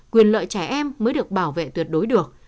quyền lợi trẻ em mới được bảo vệ tuyệt đối được